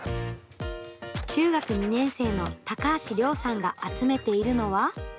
中学２年生の高橋諒さんが集めているのは。